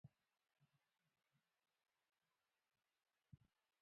د ناول مرکزي موضوع شخصي افسانه ده.